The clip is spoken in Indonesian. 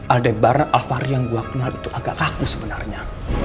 adeb barna alvari yang gue kenal itu agak kaku sebenarnya